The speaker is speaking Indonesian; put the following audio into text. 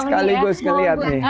sekali kali gue lihat nih